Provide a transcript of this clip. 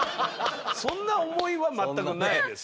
そんな思いは全くないですよ。